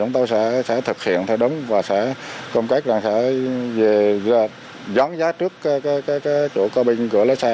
chúng tôi sẽ thực hiện theo đúng và sẽ công cách gián giá trước chỗ co bình cửa lái xe